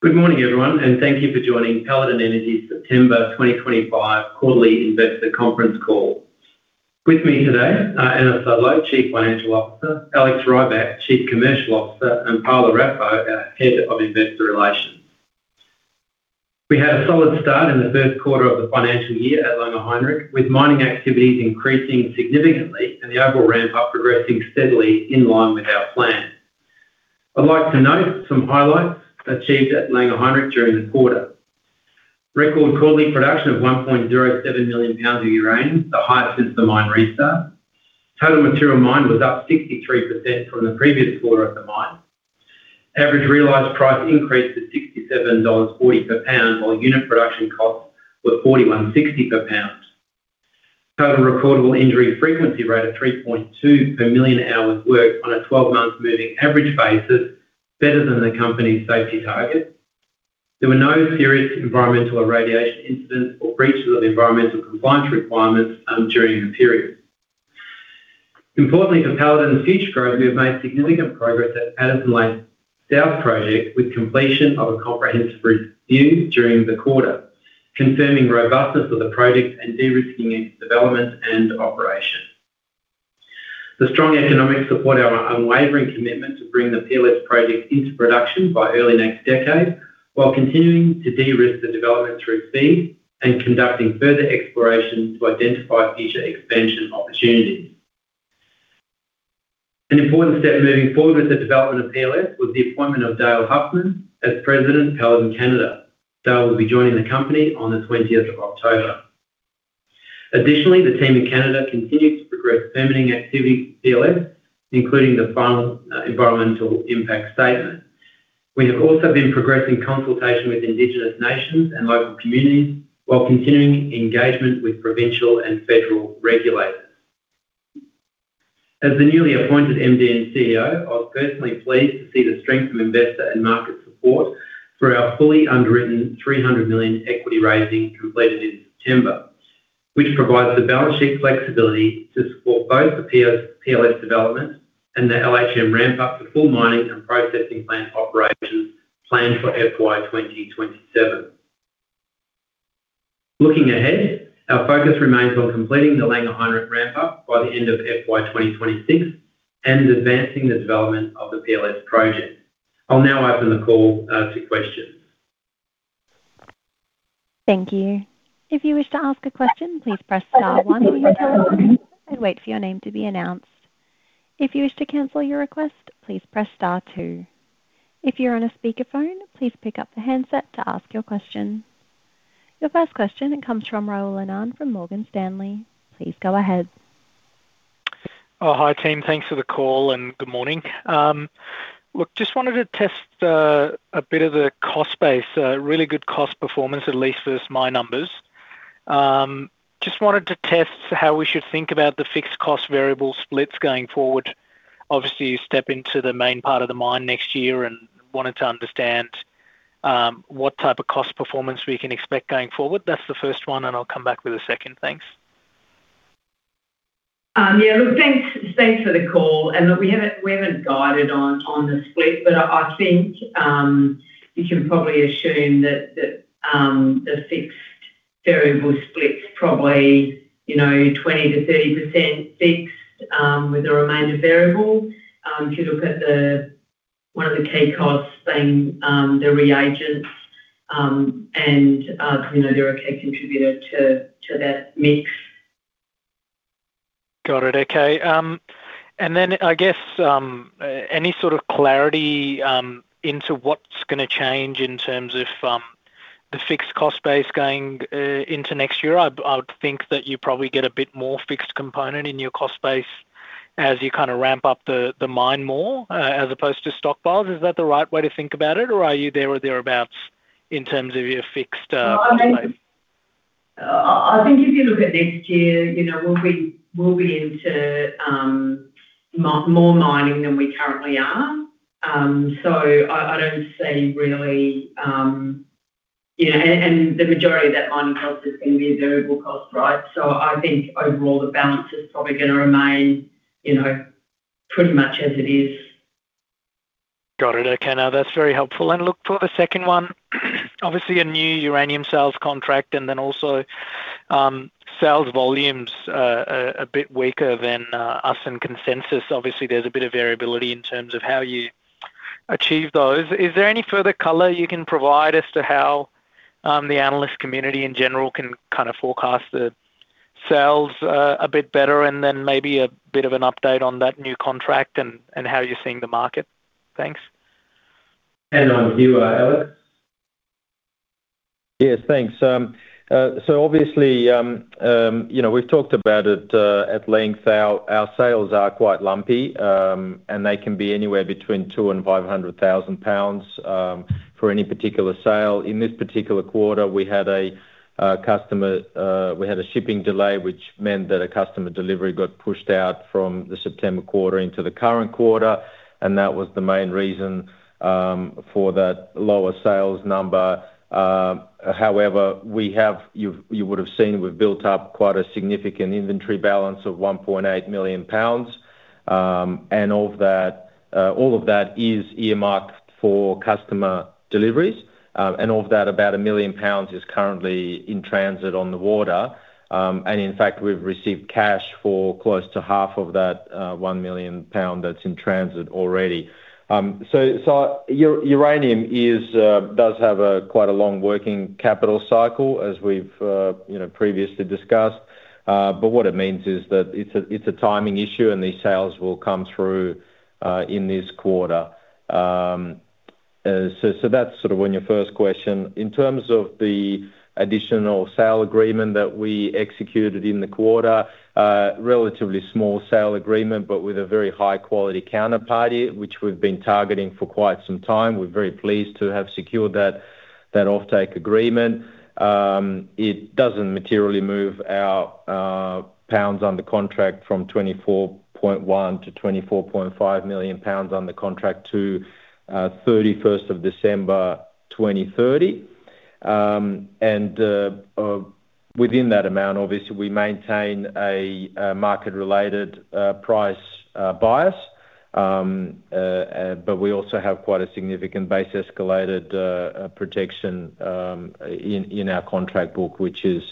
Good morning everyone and thank you for joining Paladin Energy's September 2025 quarterly investor conference call. With me today are Anna Sudlow, Chief Financial Officer, Alex Rybak, Chief Commercial Officer, and Paola Raffo, our Head of Investor Relations. We had a solid start in the first quarter of the financial year at Langer Heinrich with mining activities increasing significantly and the overall ramp-up progressing steadily in line with our plan. I'd like to note some highlights achieved at Langer Heinrich during the quarter. Record quarterly production of 1.07 million pounds of uranium, the highest since the mine restart. Total material mined was up 63% from the previous quarter. The mine average realized price increased to $67.40 per pound while unit production costs were $41.60 per pound. Total recordable injury frequency rate of 3.2 per million hours worked on a 12-month moving average basis, better than the company's safety targets. There were no serious environmental irradiation incidents or breaches of environmental compliance requirements during the period. Importantly for Paladin's future growth, we have made significant progress at Patterson Lake South Project with completion of a comprehensive review during the quarter confirming robustness of the project and de-risking its development and operation. The strong economics support our unwavering commitment to bring the PLS Project into production by early next decade while continuing to de-risk the development through speed and conducting further exploration to identify future expansion opportunities. An important step moving forward with the development of PLS was the appointment of Dale Huffman as President, Paladin Canada. Dale will be joining the company on the 20th of October. Additionally, the team in Canada continues to progress permitting activity including the final Environmental Impact Statement. We have also been progressing consultation with Indigenous nations and local communities while continuing engagement with provincial and federal regulators. As the newly appointed MD and CEO, I was personally pleased to see the strength of investor and market support throughout our fully underwritten $300 million equity raising completed in September, which provides the balance sheet flexibility to support both the PLS development and the LHM ramp-up to full mining and processing plant operations planned for FY 2027. Looking ahead, our focus remains on completing the Langer Heinrich ramp-up by the end of FY 2026 and advancing the development of the PLS Project. I'll now open the call to questions. Thank you. If you wish to ask a question, please press Star one and wait for your name to be announced. If you wish to cancel your request, please press Star two. If you're on a speakerphone, please pick up the handset to ask your question. Your first question comes from Raoul Anand from Morgan Stanley. Please go ahead. Oh, hi team. Thanks for the call and good morning. Just wanted to test a bit of the cost base, really good cost performance at least versus my numbers. Just wanted to test how we should think about the fixed cost variable splits going forward. Obviously, you step into the main part of the mine next year and wanted to understand what type of cost performance we can expect going forward. That's the first one and I'll come back with a second. Thanks. Yeah, look, thanks for the call. We haven't guided on the split, but I think you can probably assume that the fixed-variable split's probably 20 to 30% fixed with the remainder variable. If you look at one of the key costs being the reagents, they're a key contributor to that mix. Got it. Okay. I guess any sort of clarity into what's going to change in terms of the fixed cost base going into next year. I would think that you probably get a bit more fixed component in your cost base as you kind of ramp up the mine more as opposed to stockpiles. Is that the right way to think about it or are you there or thereabouts in terms of your fixed cost base? I think if you look at next year, you know, we'll be into. More. Mining than we currently are. I don't see really, you know, and the majority of that mining cost is going to be a variable cost. Right. I think overall the balance is probably going to remain, you know, pretty much as it is. Got it. Okay, that's very helpful. For the second one, obviously a new uranium sales contract and also sales volumes a bit weaker than us in consensus. There's a bit of variability in terms of how you achieve those. Is there any further color you can provide as to how the analyst community in general can kind of forecast the sales a bit better and maybe a bit of an update on that new contract and how you're seeing the market. Thanks. On you. Yes, thanks. Obviously, you know, we've talked about it at length. Our sales are quite lumpy and they can be anywhere between $2 million and $500,000. For any particular sale in this particular quarter, we had a customer, we had a shipping delay which meant that a customer delivery got pushed out from the September quarter into the current quarter, and that was the main reason for that lower sales number. However, you would have seen we've built up quite a significant inventory balance of 1.8 million pounds and all of that is earmarked for customer deliveries. Of that, about a million pounds is currently in transit on the water, and in fact we've received cash for close to half of that 1 million pounds that's in transit already. Uranium does have quite a long working capital cycle as we've previously discussed, but what it means is that it's a timing issue and these sales will come through in this quarter. That's on your first question. In terms of the additional sale agreement that we executed in the quarter, relatively small sale agreement, but with a very high quality counterparty which we've been targeting for quite some time. We're very pleased to have secured that offtake agreement. It doesn't materially move our pounds under contract from 24.1 to 24.5 million pounds on the contract to 31 December 2030. Within that amount, obviously we maintain a market related price bias, but we also have quite a significant base-escalated protection in our contract book, which is,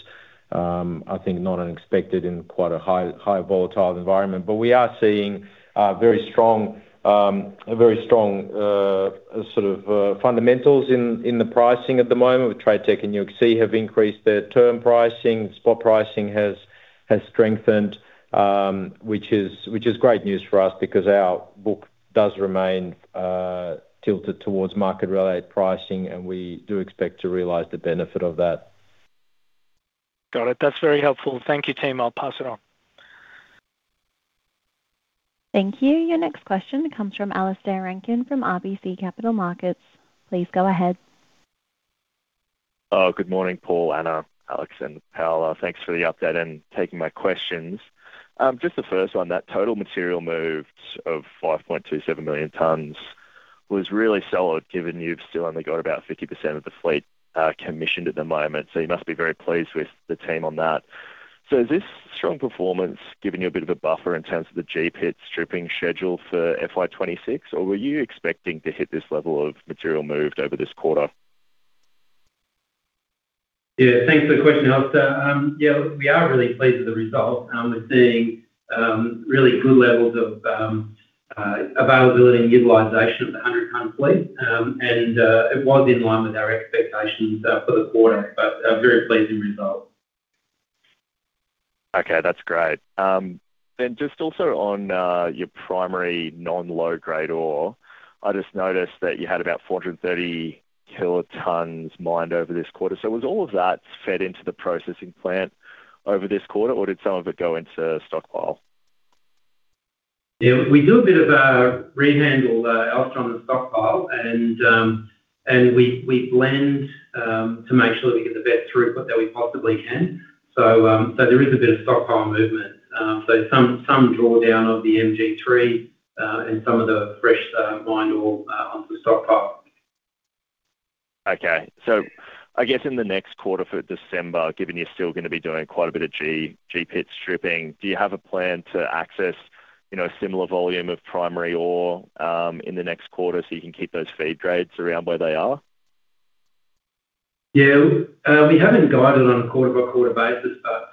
I think, not unexpected in quite a high volatile environment. We are seeing very strong fundamentals in the pricing at the moment with TradeTech and UxC have increased their term pricing, spot pricing has strengthened, which is great news for us because our book does remain tilted towards market related pricing and we do expect to realize the benefit of that. Got it. That's very helpful. Thank you, Tim. I'll pass it on. Thank you. Your next question comes from Alistair Rankin from RBC Capital Markets. Please go ahead. Good morning Paul, Anna, Alex and Paola. Thanks for the update and taking my questions. Just the first one, that total material moved of 5.27 million tonnes was really solid. Given you've still only got about 50% of the fleet commissioned at the moment, you must be very pleased with the team on that. Is this strong performance giving you a bit of a buffer in terms of the GPIT stripping schedule for FY2026 or were you expecting to hit this level of material moved over this quarter? Yeah, thanks for the question, Alistair. We are really pleased with the results. We're seeing really good levels of availability and utilization of the 100 tonne fleet, and it was in line with our expectations for the quarter, a very pleasing result. Okay, that's great then. Just also on your primary non low grade ore, I just noticed that you had about 430 kilotons mined over this quarter. Was all of that fed into the processing plant over this quarter, or did some of it go into stockpile? Yeah, we do a bit of rehandle, alstron and stockpile, and we blend to make sure we get the best throughput that we possibly can. There is a bit of stockpile movement, with some drawdown of the MG3 and some of the fresh mined ore onto the stockpile. Okay, I guess in the next quarter for December, given you're still going to be doing quite a bit of G pit stripping, do you have a plan to access a similar volume of primary ore in the next quarter so you can keep those feed grades around where they are? Yeah, we haven't guided on a quarter-by-quarter basis, but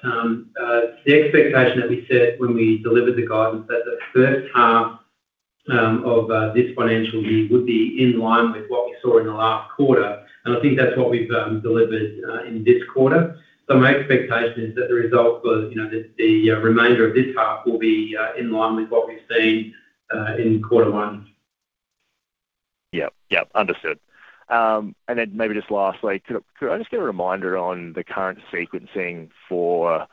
the expectation that we set when we delivered the guidance is that the first half of this financial year would be in line with what we saw in the last quarter. I think that's what we've delivered in this quarter. My expectation is that the remainder of this half will be in line with what we've seen in quarter one. Yep, understood. Maybe just lastly, could I just get a reminder on the current sequencing for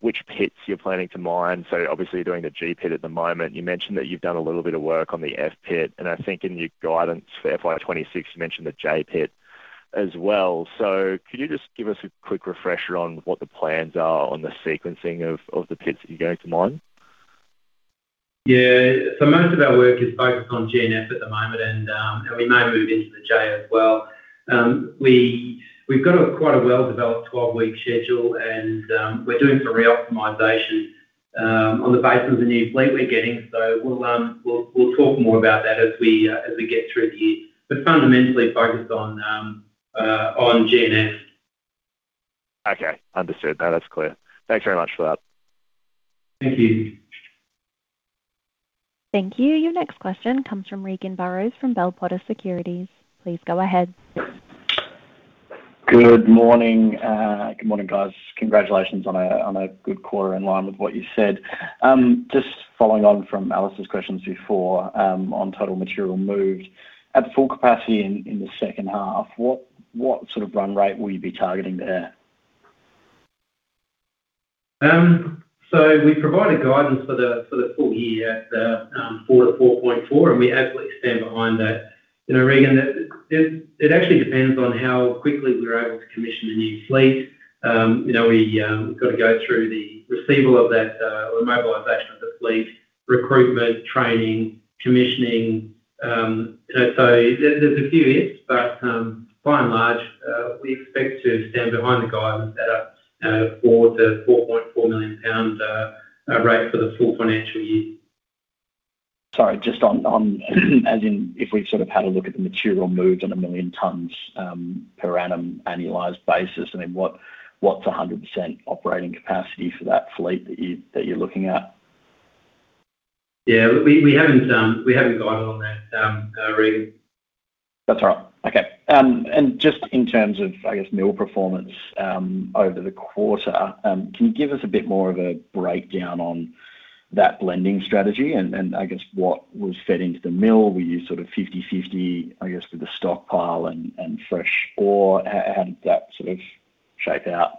which pits you're planning to mine? Obviously you're doing the G pit at the moment. You mentioned that you've done a little bit of work on the F pit and I think in your guidance for FY2026 you mentioned the J pit as well. Could you just give us a quick refresher on what the plans are on the sequencing of the pits that you're going to mine? Yeah, most of our work is focused on GNF at the moment and we may move into the J as well. We've got quite a well-developed 12-week schedule and we're doing some re-optimization on the basis of the new fleet we're getting. We'll talk more about that as we get through the year. Fundamentally focused on GNF. Okay, understood. Now that's clear. Thanks very much for that. Thank you. Thank you. Your next question comes from Regan Burrows from Bell Potter Securities. Please go ahead. Good morning. Good morning, guys. Congratulations on a good quarter in line with what you said. Just following on from Alex's questions before on total material moved at full capacity in the second half, what sort of run rate will you be targeting there? We provided guidance for the full year, 4.4, and we absolutely stand behind that. You know, Regan, it actually depends on how quickly we're able to commission a new fleet. We've got to go through the receival of that or mobilisation of the fleet, recruitment, training, commissioning. There's a few ifs, but by and large we expect to stand behind the guidance at a 4 to 4.4 million pound rate for the full financial year. Sorry, just on as in if we sort of had a look at the material moved on a million tonnes per annum, annualized basis, what's 100% operating capacity for that fleet that you're looking at? Yeah, we haven't guided on that, Regan. That's all right. Okay. In terms of mill performance over the quarter, can you give us a bit more of a breakdown on that blending strategy and what was fed into the mill? Were you sort of 50/50? Guess with the stockpile and fresh, or how did that sort of shape out?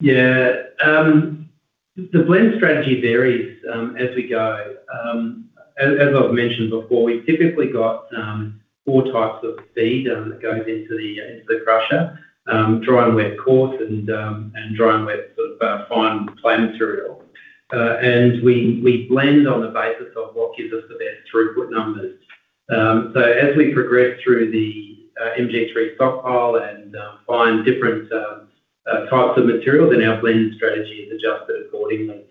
Yeah, the blend strategy varies as we go. As I've mentioned before, we've typically got four types of feed that goes into the crusher: dry and wet, coarse and dry and wet, fine clay material. We blend on the basis of what gives us the best throughput numbers. As we progress through the MG3 stockpile and find different types of materials, our blend strategy is adjusted accordingly.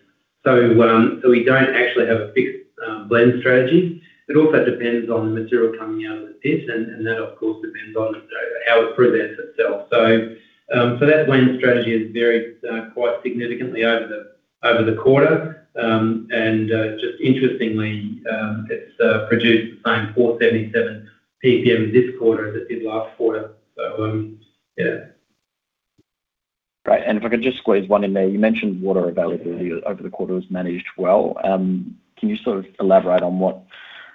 We don't actually have a fixed blend strategy. It also depends on the material coming out of the pit, and that of course depends on how it presents itself. That blend strategy has varied quite significantly over the quarter. Interestingly, it's produced the same 477 ppm this quarter as it did last quarter. If I could just squeeze one in there. You mentioned water availability over the quarter was managed well. Can you elaborate on what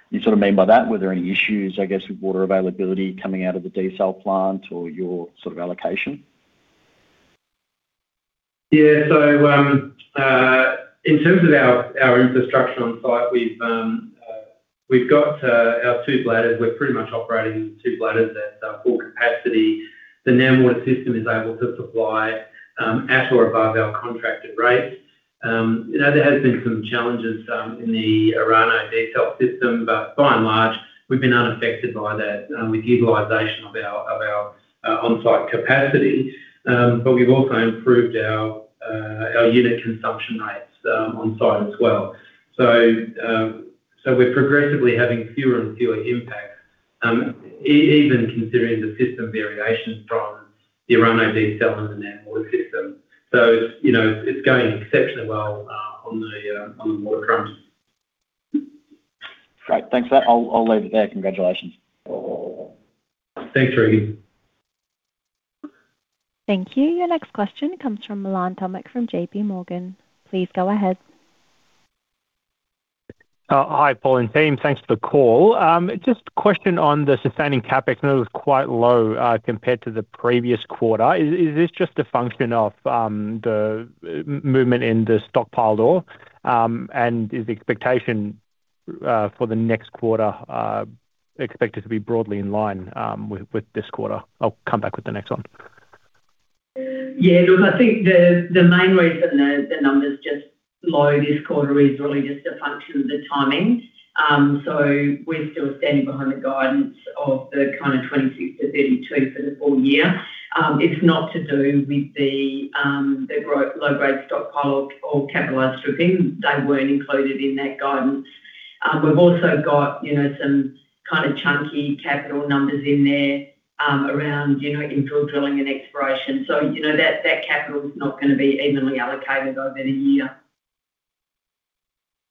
you mean by that? Were there any issues with water availability coming out of the desal plant or your allocation? Yeah. In terms of our infrastructure on site, we've got our two bladders, we're pretty much operating two bladders at full capacity. The NamWater system is able to supply at or above our contracted rate. There have been some challenges in the Orano diesel system, but by and large we've been unaffected by that with utilization of our on-site capacity. We've also improved our unit consumption rates on site as well. We're progressively having fewer and fewer impacts even considering the system variation from the Orano diesel and the NamWater system. It's going exceptionally well on the waterfront. Great, thanks for that. I'll leave it there. Congratulations. Thanks, Ricky. Thank you. Your next question comes from Milan Tomic from JPMorgan Chase & Co. Please go ahead. Hi Paul and team, thanks for the call. Just a question on the sustaining CapEx was quite low compared to the previous quarter. Is this just a function of the movement in the stockpile law, and is the expectation for the next quarter expected to be broadly in line with this quarter? I'll come back with the next one. Yeah, look, I think the main reason the number's just low this quarter is really just a function of the timing. We're still standing behind the guidance of the kind of 26 to 32 for the full year. It's not to do with the low grade stockpile or capitalized stripping. They weren't included in that guidance. We've also got some kind of chunky capital numbers in there around, you know, in drilling and exploration. You know that capital is not going to be evenly allocated over the year.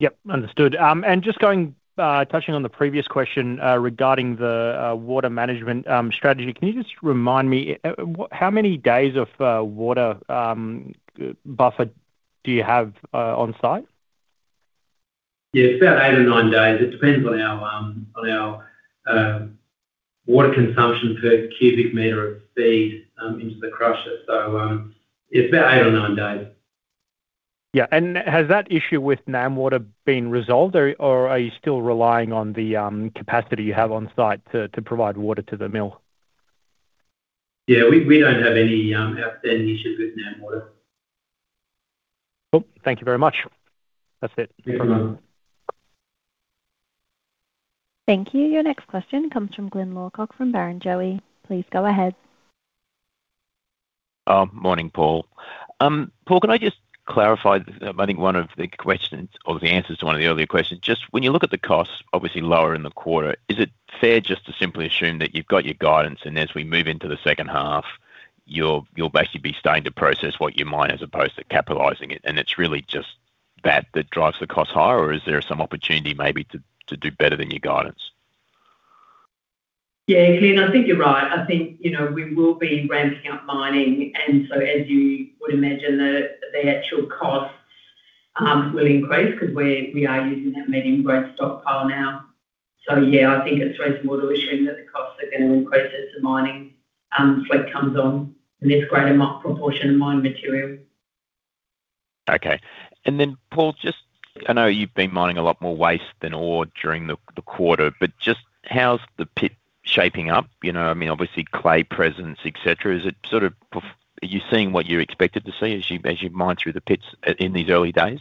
Yep, understood. Just going touching on the previous question regarding the water management strategy, can you just remind me how many days of water buffer do you have on site? Yeah, about eight or nine days. It depends on our, on our. Water. Consumption per cubic meter of feed into the crusher, it's about eight or nine days. Yeah. Has that issue with NAM water. Been resolved, or are you still relying? On the capacity you have on site to provide water to the mill? Yeah, we don't have any outstanding issues with NAM water. Thank you very much. That's it. Thank you. Your next question comes from Glyn Lawcock from Barrenjoey Markets Pty Limited, please go ahead. Morning, Paul. Paul, can I just clarify, I think one of the questions or the answers to one of the earlier questions, just when you look at the costs obviously lower in the quarter, is it fair just to simply assume that you've got your guidance and as we move into the second half, you'll basically be starting to process what you mine as opposed to capitalizing it? It's really just that that drives the cost higher, or is there some opportunity maybe to do better than your guidance? Yeah, Clint, I think you're right. I think, you know, we will be ramping up mining, and as you would imagine, the actual cost will increase because we are using that medium grade stockpile now. I think it's reasonable to assume that the costs are going to increase as the mining fleet comes on and there's greater proportion of mine material. Okay. Paul, just. I know you've been mining a lot more waste than ore during the quarter, but just how's the pit shaping up? I mean, obviously clay presence, etc. Is it sort of, are you seeing what you expected to see as you mine through the pits in these early days?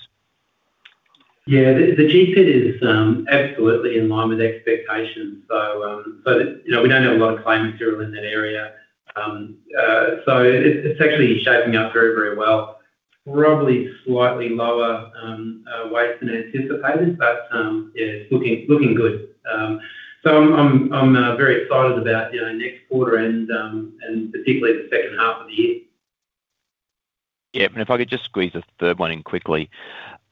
Yeah, the G pit is absolutely in line with expectations. We don't have a lot of claim material in that area, so it's actually shaping up very, very well. Probably slightly lower weight than anticipated, but it's looking good. I'm very excited about next quarter and particularly the second half of the year. Yeah, if I could just squeeze the third one in quickly.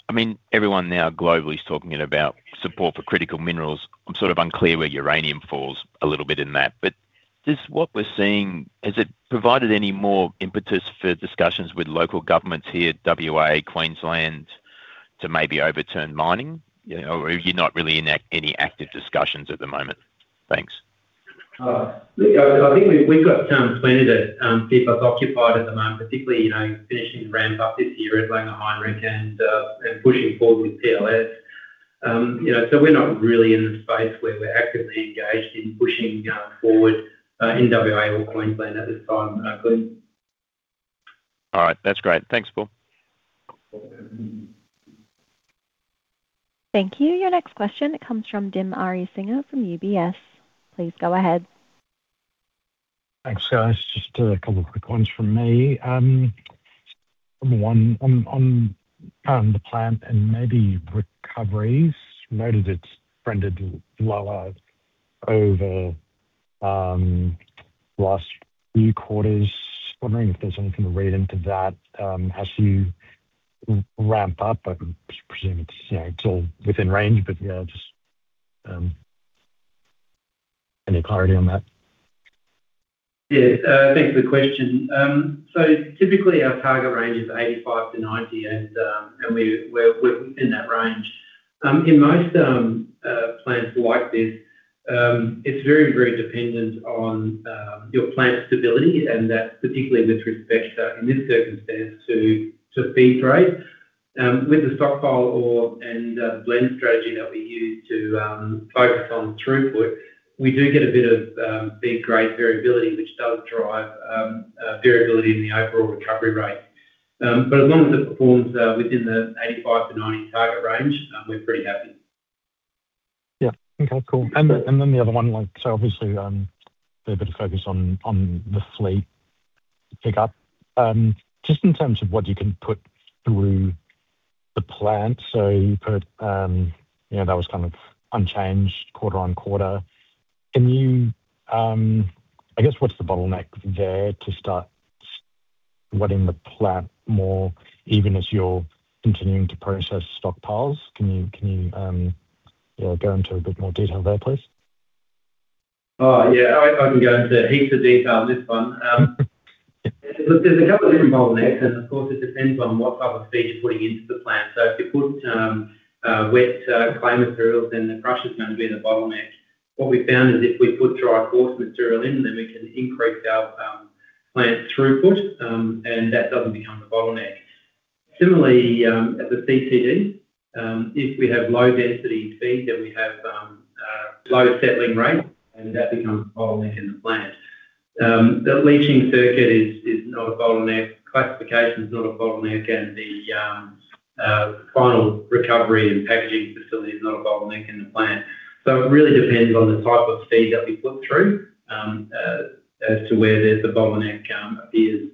I mean, everyone now globally is talking about support for critical minerals. I'm sort of unclear where uranium falls a little bit in that, but does what we're seeing, has it provided any more impetus for discussions with local governments here in Western Australia or Queensland to maybe overturn mining? Or are you not really in any active discussions at the moment? Thanks. I think we've got plenty to keep us occupied at the moment, particularly finishing the ramp-up this year at Langer Heinrich and pushing forward with PLS. We're not really in the space where we're actively engaged in pushing forward Western Australia or Queensland at this time. All right, that's great. Thanks, Paul. Thank you. Your next question comes from Dim Ariyasinghe from UBS Investment Bank. Please go ahead. Thanks, guys. Just a couple of quick ones from me. Number one, on the plant and maybe recoveries, noted it trended lower over last few quarters. Wondering if there's anything to read into that as you ramp up. I presume it's all within range, but yeah, just any clarity on that? Yeah, thanks for the question. Typically our target range is 85% to 90%, and we're within that range in most plants like this. It's very, very dependent on your plant stability, particularly with respect in this circumstance to feed grade with the stockpile ore and blend strategy that we use to focus on throughput. We do get a bit of feed grade variability, which does drive variability in the overall recovery rate. As long as it performs within the 85% to 90% target range, we're pretty happy. Yeah. Okay, cool. The other one, obviously a bit of focus on the fleet pickup just in terms of what you can put through the plant. You put, you know, that was kind of unchanged, quarter on quarter. Can you, I guess, what's the bottleneck there to start wetting the plant more even as you're continuing to process stockpiles? Can you go into a bit more detail there, please? Oh yeah, I can go into heaps of detail on this one. There's a couple of different bottlenecks, and of course it depends on what type of feed you're putting into the plant. If you put wet clay materials, then the crusher is going to be the bottleneck. What we found is if we put dry coarse material in, then we can increase our plant throughput and that doesn't become the bottleneck. Similarly, at the CCD, if we have low-density feed, then we have low settling rate and that becomes a bottleneck in the plant. The leaching circuit is not a bottleneck, classification is not a bottleneck, and the final recovery and packaging facility is not a bottleneck in the plant. It really depends on the type of feed as to where the bottleneck appears.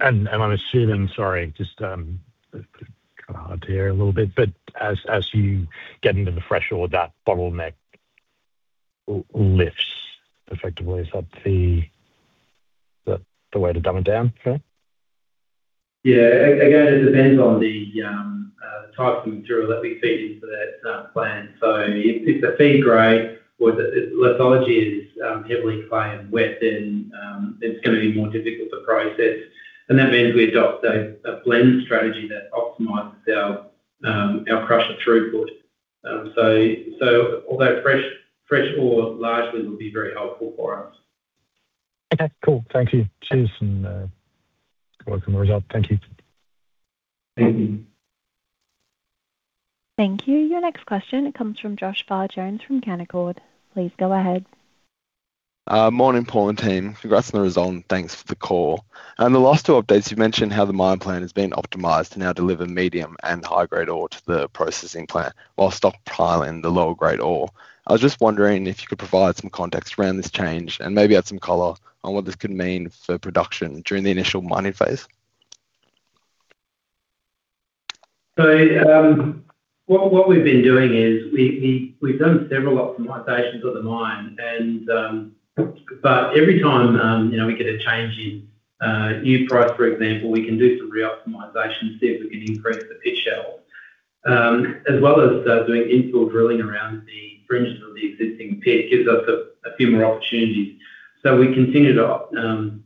I'm assuming, sorry, just kind of. Hard to hear a little bit. As you get into the fresh or that bottleneck lifts effectively, is that the way to dumb it down? Yeah, again it depends on the type of material that we feed into that plant. If the feed grade or the lithology is heavily clay and wet, then it's going to be more difficult to process. That means we adopt a blend strategy that optimizes our crusher throughput. Although fresh ore largely will be very helpful for us. Okay, cool. Thank you. Cheers. Work on the result. Thank you. Thank you. Thank you. Your next question comes from Josh Barr Jones from Canaccord Genuity Corp. Please go ahead. Morning Paul and team. Congrats on the result and thanks for the call. In the last two updates you've mentioned how the mine plan has been optimized to now deliver medium and high grade ore to the processing plant while stockpiling the lower grade ore. I was just wondering if you could provide some context around this change and maybe add some color on what this could mean for production during the initial mining phase. What we've been doing is we've done several optimizations of the mine, but every time we get a change in new price, for example, we can do some reoptimization to see if we can increase the pit shell as well as doing infill. Drilling around the fringes of the existing pit gives us a few more opportunities. We continue to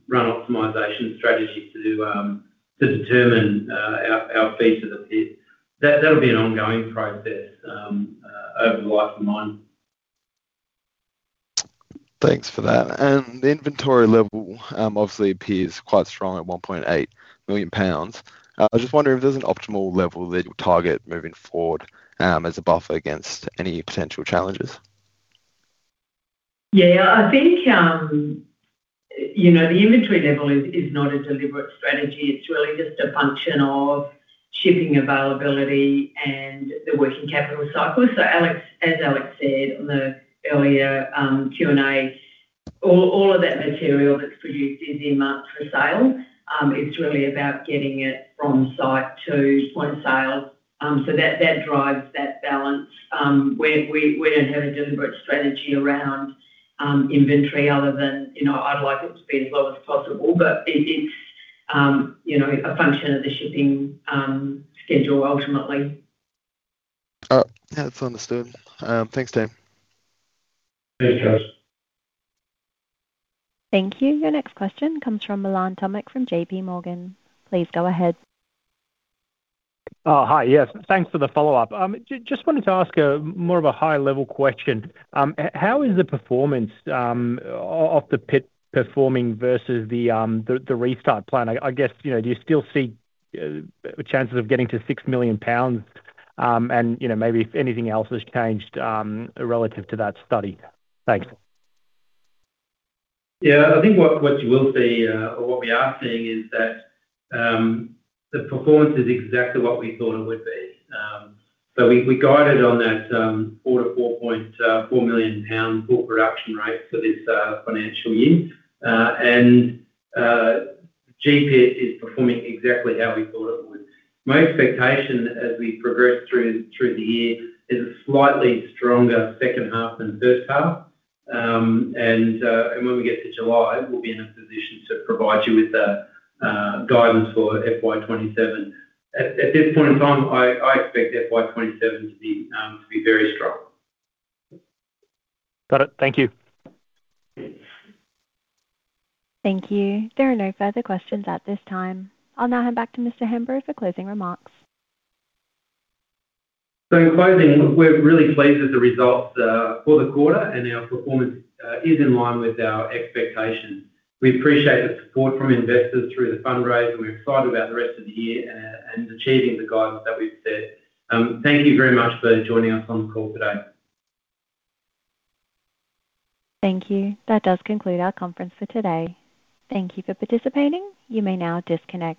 run optimization strategies to determine our feed to the pit. That'll be an ongoing process over the life of mine. Thanks for that. The inventory level obviously appears quite strong at 1.8 million pounds. I was just wondering if there's an optimal level that you target moving forward as a buffer against any potential challenges. Yeah, I think the inventory level is not a deliberate strategy. It's really just a function of shipping availability and the working capital cycle. As Alex said on the earlier Q and A, all of that material that's produced is in months for sale. It's really about getting it from site to point of sale. That drives that balance. We don't have a deliberate strategy around inventory other than I'd like it to be as low as possible, but it's a function of the shipping schedule. Ultimately, that's understood. Thanks, Dan. Thanks, Charles. Thank you. Your next question comes from Milan Tomic from JPMorgan Chase & Co. Please go ahead. Hi. Yes, thanks for the follow-up. Just wanted to ask more of a high-level question. How is the performance of the pit performing versus the restart plan? I guess, do you still see chances? Of getting to $6 million and maybe if anything else has changed relative to that study? Thanks. Yeah. I think what you will see, or what we are seeing, is that the performance is exactly what we thought it would be. We guided on that 4 to 4.4 million pound full production rate for this financial year, and GPIT is performing exactly how we thought it would. My expectation as we progress through the year is a slightly stronger second half than first half. When we get to July, we'll be in a position to provide you with guidance for FY2027. At this point in time, I expect FY2027 to be very strong. Got it. Thank you. Thank you. There are no further questions at this time. I'll now hand back to Mr. Hemburrow for closing remarks. In closing, we're really pleased with the results for the quarter, and our performance is in line with our expectations. We appreciate the support from investors through the fundraiser. We're excited about the rest of the year and achieving the guidance that we've set. Thank you very much for joining us on the call today. Thank you. That does conclude our conference for today. Thank you for participating. You may now disconnect.